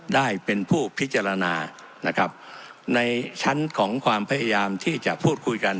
ได้เป็นผู้พิจารณานะครับในชั้นของความพยายามที่จะพูดคุยกัน